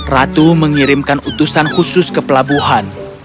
ratu mengirimkan utusan khusus ke pelabuhan